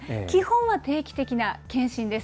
基本は定期的な検診です。